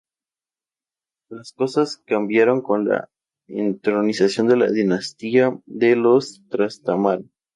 Las cosas cambiaron con la entronización de la dinastía de los Trastámara.